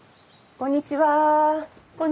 こんにちは。